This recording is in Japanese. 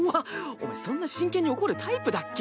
お前そんな真剣に怒るタイプだっけ？